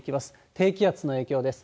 低気圧の影響です。